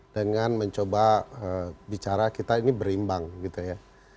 dengan mencoba bicara kita ini berimbang gitu ya